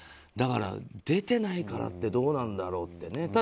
だから、出てないからってどうなんだろうってね。